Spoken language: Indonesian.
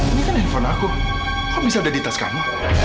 ini kan handphone aku kok bisa udah di tas kamu